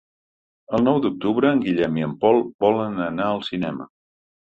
El nou d'octubre en Guillem i en Pol volen anar al cinema.